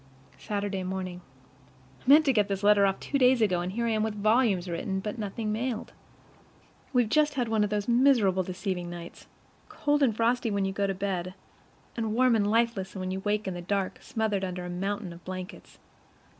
Saturday morning. I meant to get this letter off two days ago; and here I am with volumes written, but nothing mailed. We've just had one of those miserable deceiving nights cold and frosty when you go to bed, and warm and lifeless when you wake in the dark, smothered under a mountain of blankets.